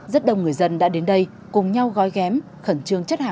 rất đông người dân đã đến đây cùng nhau gói ghém khẩn trương chất hào